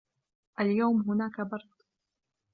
اليوم هناك برد.